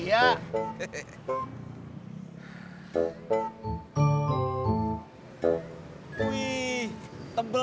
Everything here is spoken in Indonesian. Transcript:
yang dihantarin ke toko buku